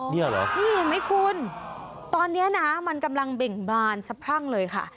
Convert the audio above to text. นี่เหรอนี่เห็นไหมคุณตอนนี้นะมันกำลังเบ่งบานสะพรั่งเลยค่ะ